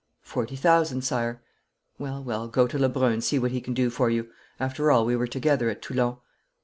'Forty thousand, sire.' 'Well, well, go to Lebrun and see what he can do for you. After all, we were together at Toulon.'